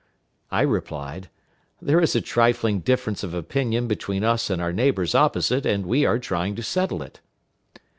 I replied, "There is a trifling difference of opinion between us and our neighbors opposite, and we are trying to settle it."